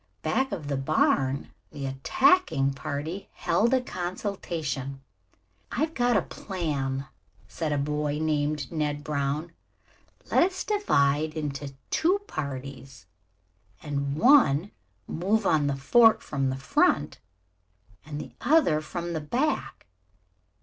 Back of the barn the attacking party held a consultation. "I've got a plan," said a boy named Ned Brown. "Let us divide into two parties and one move on the fort from the front and the other from the back.